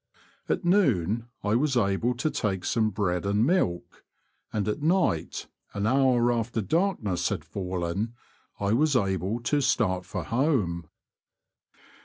At noon I was able to take some bread and milk, and at night, an hour after darkness had fallen, I was able to start for home.